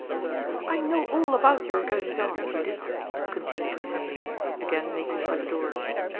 " I know all about your goings on, Judith," continued Amelia, again making for the door.